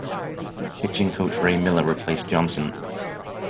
Pitching coach Ray Miller replaced Johnson.